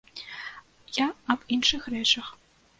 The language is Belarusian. Я аб іншых рэчах.